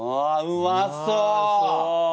うまそう！